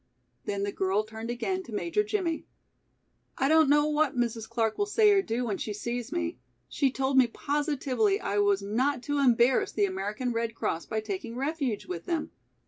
Then the girl turned again to Major Jimmie. "I don't know what Mrs. Clark will say or do when she sees me. She told me positively I was not to embarrass the American Red Cross by taking refuge with them.